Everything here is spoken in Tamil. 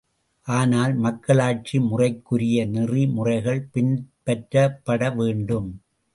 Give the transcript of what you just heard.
ஆனால், மக்களாட்சி முறைக்குரிய நெறி முறைகள் பின்பற்றப்பட வேண்டும்.